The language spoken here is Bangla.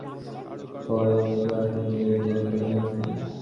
তাঁদের সব পক্ষের সঙ্গে আলোচনা করে কমিটি গঠনের নির্দেশ দেন প্রধানমন্ত্রী।